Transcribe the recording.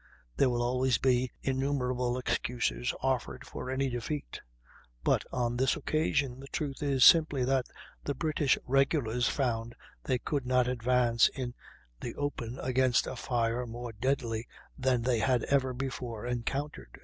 There will always be innumerable excuses offered for any defeat; but on this occasion the truth is simply that the British regulars found they could not advance in the open against a fire more deadly than they had ever before encountered.